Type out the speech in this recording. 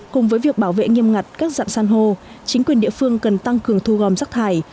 cùng với việc bảo vệ nghiêm ngặt các dạng san hô chính quyền địa phương cần tăng cường thu gom rác thải